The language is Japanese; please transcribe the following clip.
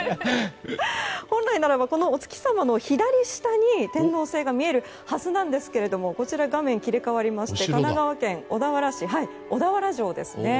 本来ならばお月様の左下に天王星が見えるはずなんですがこちら、画面が切り替わりまして神奈川県小田原市小田原城ですね。